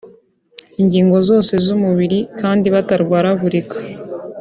ingingo zose z’umubiri kandi batarwaragurika